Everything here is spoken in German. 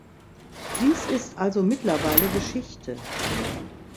Dies ist also mittlerweile Geschichte.